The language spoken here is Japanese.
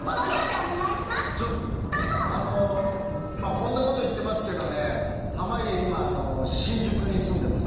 こんなこと言ってますけどね、濱家、今、新宿に住んでます。